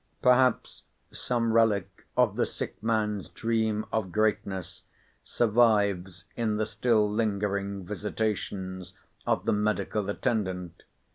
Perhaps some relic of the sick man's dream of greatness survives in the still lingering visitations of the medical attendant.